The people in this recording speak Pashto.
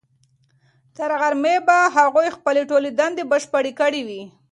تر غرمې به هغوی خپلې ټولې دندې بشپړې کړې وي.